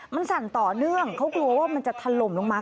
มันสั่นต่อเนื่องเขากลัวว่ามันจะถล่มลงมา